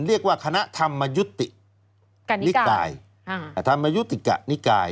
เรียกว่าคณะธรรมยุติกะนิกาย